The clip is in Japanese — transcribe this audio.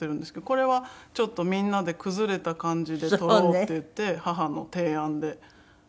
これはちょっとみんなで崩れた感じで撮ろうって言って母の提案で。